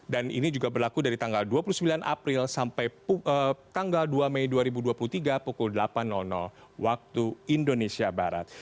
ini juga berlaku dari tanggal dua puluh sembilan april sampai tanggal dua mei dua ribu dua puluh tiga pukul delapan waktu indonesia barat